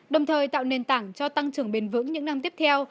đồng thời tạo nền tảng cho tăng trưởng bền vững những năm tiếp theo